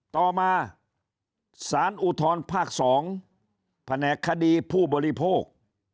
ต่อมาสารอุทธรภาค๒แผนกคดีผู้บริโภค